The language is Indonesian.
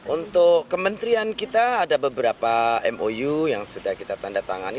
untuk kementerian kita ada beberapa mou yang sudah kita tanda tangani